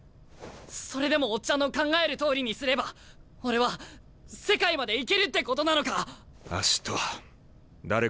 それでもオッチャンの考えるとおりにすれば俺は世界まで行けるってことなのか？